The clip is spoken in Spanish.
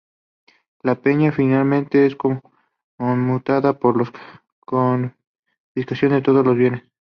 La pena finalmente es conmutada por la confiscación de todos sus bienes.